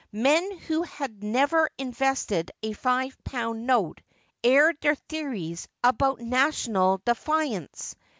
Men who had never invested a five pound note aired their theories about national defiance.